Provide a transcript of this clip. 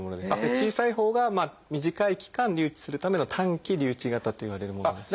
小さいほうが短い期間留置するための短期留置型といわれるものなんですね。